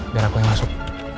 darahku yang masuk